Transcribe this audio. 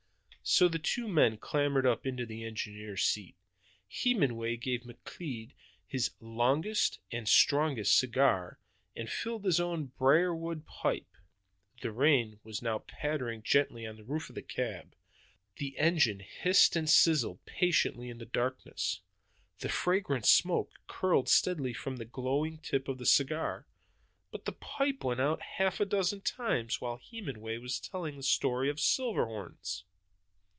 So the two men clambered up into the engineer's seat. Hemenway gave McLeod his longest and strongest cigar, and filled his own briar wood pipe. The rain was now pattering gently on the roof of the cab. The engine hissed and sizzled patiently in the darkness. The fragrant smoke curled steadily from the glowing tip of the cigar; but the pipe went out half a dozen times while Hemenway was telling the story of Silverhorns.